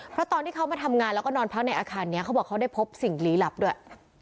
เพราะตอนที่เขามาทำงานแล้วก็นอนพักในอาคารนี้เขาบอกเขาได้พบสิ่งลี้ลับด้วย